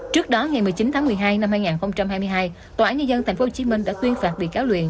trước đó ngày một mươi chín tháng một mươi hai năm hai nghìn hai mươi hai tòa án nhân dân tp hcm đã tuyên phạt bị cáo luyện